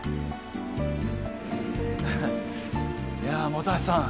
本橋さん。